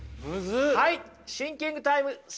はいシンキングタイムスタート。